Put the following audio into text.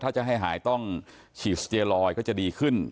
ถ้าจะให้หายต้องฉีดสเตียลอยก็จะดีขึ้น